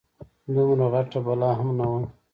دومره غټه بلا هم نه وه.